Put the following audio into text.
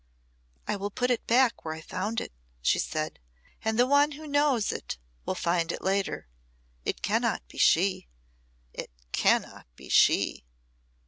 "I will put it back where I found it," she said, "and the one who knows it will find it later. It cannot be she it cannot be she!